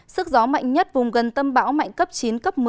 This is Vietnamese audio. sức gió mạnh nhất vùng gần tâm bão mạnh cấp chín cấp một mươi